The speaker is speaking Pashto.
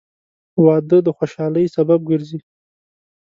• واده د خوشحالۍ سبب ګرځي.